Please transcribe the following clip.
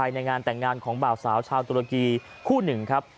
ในงานแต่งงานของบ่าวสาวชาวตุรกีคู่หนึ่งครับ